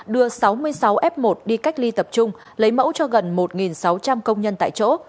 đưa sáu mươi sáu f một đi cách ly tập trung lấy mẫu cho gần một sáu trăm linh công nhân tại chỗ